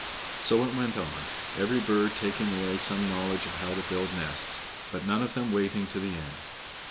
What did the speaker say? So it went on, every bird taking away some knowledge of how to build nests, but none of them waiting to the end.